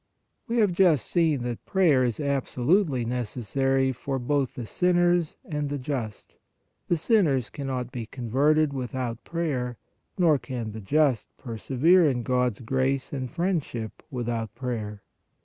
We have just seen that prayer is absolutely necessary for both the sinners and the just; the sinners cannot be converted without prayer, nor can the just persevere in God s grace and friendship without prayer.